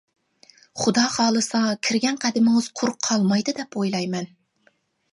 خۇدا خالىسا كىرگەن قەدىمىڭىز قۇرۇق قالمايدۇ دەپ ئويلايمەن.